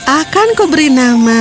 akanku beri nama